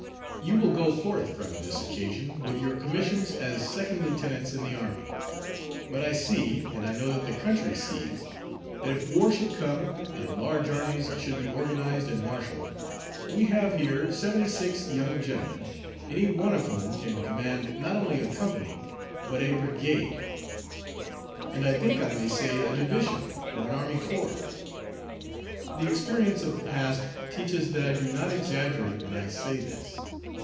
You will go forth from this occasion with your commissions as Second Lieutenants in the army; but I see, and I know that the country sees, that if war should come, and large armies should be organized and marshalled, we have here seventy six young gentlemen, any one of whom can command not only a company, but a brigade; and I think I may say a division, or an army corps. The experience of the past teaches that I do not exaggerate when I say this.